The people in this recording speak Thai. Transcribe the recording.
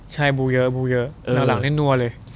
ใช่บุ๋เยอะบุ๋เยอะหนังอะไรนั่วเลย